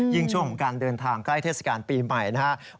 ช่วงของการเดินทางใกล้เทศกาลปีใหม่นะครับ